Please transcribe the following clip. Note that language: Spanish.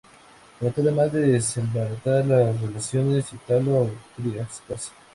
Trató además de desbaratar las relaciones italo-austriacas.